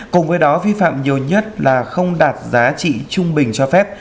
cùng với đó vi phạm nhiều nhất là không đạt giá trị trung bình cho phép